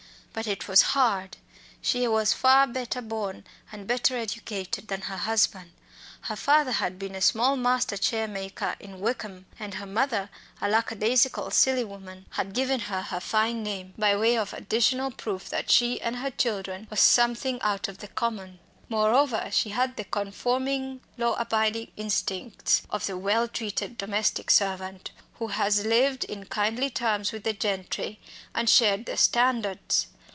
But it was hard. She was far better born and better educated than her husband. Her father had been a small master chair maker in Wycombe, and her mother, a lackadaisical silly woman, had given her her "fine" name by way of additional proof that she and her children were something out of the common. Moreover, she had the conforming law abiding instincts of the well treated domestic servant, who has lived on kindly terms with the gentry and shared their standards.